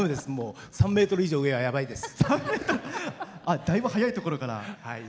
３ｍ以上、上は、やばいです。